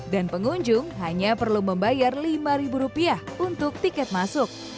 dan pengunjung hanya perlu membayar lima rupiah untuk tiket masuk